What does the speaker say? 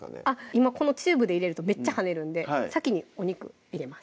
今このチューブで入れるとめっちゃ跳ねるんで先にお肉入れます